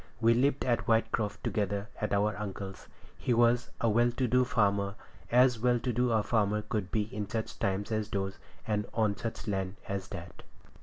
We lived at Whitecroft together at our uncle's. He was a well to do farmer, as well to do as a farmer could be in such times as those, and on such land as that.